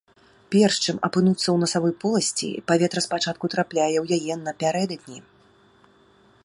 Перш чым апынуцца ў насавой поласці, паветра спачатку трапляе ў яе напярэдадні.